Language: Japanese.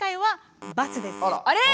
あれ？